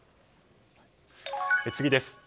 次です。